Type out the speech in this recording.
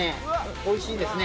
おいしいですね。